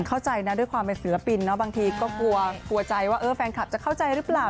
เข้าใจนะด้วยความเป็นศิลปินเนาะบางทีก็กลัวใจว่าแฟนคลับจะเข้าใจหรือเปล่า